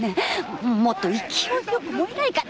もっと勢いよく燃えないかね？